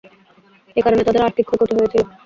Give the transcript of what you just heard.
এ কারণে তাদের আর্থিক ক্ষয়ক্ষতি হয়েছিল।